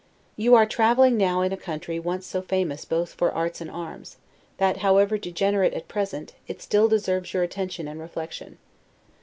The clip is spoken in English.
You are traveling now in a country once so famous both for arts and arms, that (however degenerate at present) it still deserves your attention and reflection.